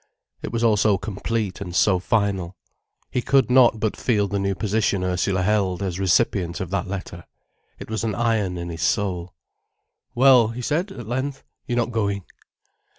It was all so complete and so final. He could not but feel the new position Ursula held, as recipient of that letter. It was an iron in his soul. "Well," he said at length, "you're not going."